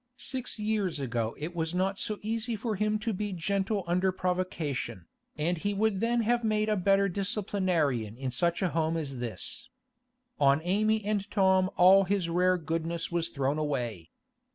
Six years ago it was not so easy for him to be gentle under provocation, and he would then have made a better disciplinarian in such a home as this. On Amy and Tom all his rare goodness was thrown away.